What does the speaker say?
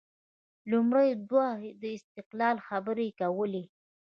لومړۍ دوره د استقلال خبرې کولې